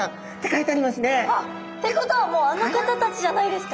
あ！ってことはもうあの方たちじゃないですか？